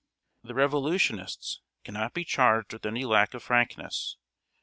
_ The Revolutionists can not be charged with any lack of frankness.